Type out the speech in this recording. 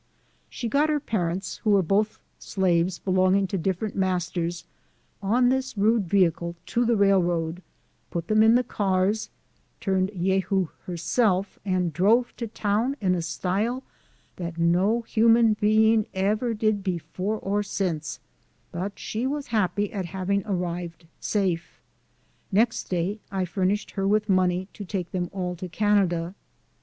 She got her par ents, who were both slaves belonging to different LIFE OF HARRIET TUBMAN. 53 masters, on this rude vehicle to the railroad, put them in the cars, turned Jehu herself, and drove to town in a style that no human being ever did be fore or since ; but she was happy at having arrived safe. Next day, I furnished her with money to take them all to Canada.